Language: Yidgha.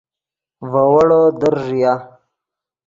ڤے ویڑو در ݱئے